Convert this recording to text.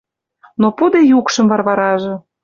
Но пуде юкшым Варваражы.